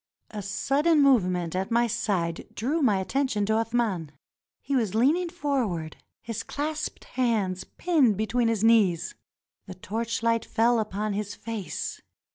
A sudden movement at my side drew my attention to Athman. He was leaning forward, his clasped hands 364 THE MUSIC OF THE DESERT pinned between his knees. The torchlight fell upon his face.